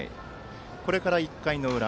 これから１回の裏。